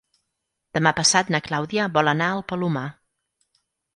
Demà passat na Clàudia vol anar al Palomar.